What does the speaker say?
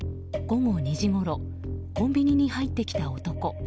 午後２時ごろコンビニに入ってきた男。